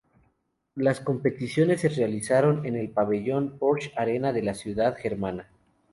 Las competiciones se realizaron en el pabellón Porsche-Arena de la ciudad germana.